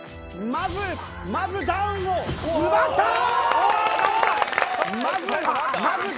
まずまずダウンを奪ったー！